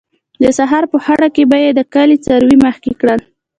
د سهار په خړه کې به یې د کلي څاروي مخکې کړل.